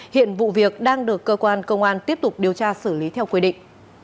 hiện vụ việc đang được cơ quan công an tiếp tục điều tra xử lý theo quy định